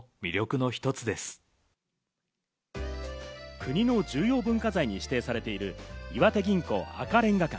国の重要文化財に指定されている岩手銀行赤レンガ館。